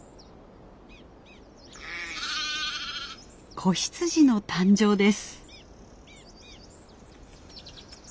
子羊の誕生です。